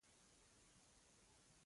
د ښارونو اقتصادي حالت دغه کار تقویه کړ.